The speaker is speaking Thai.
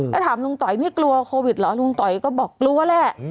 แล้วถามลุงต๋อยไม่กลัวโควิดเหรอลุงต๋อยก็บอกกลัวแหละ